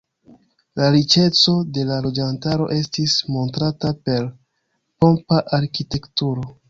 La riĉeco de la loĝantaro estis montrata per pompa arkitekturo.